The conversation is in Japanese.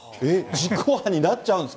実行犯になっちゃうんですか？